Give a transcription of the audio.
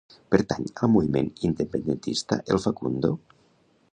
Pertany al moviment independentista el Facundo?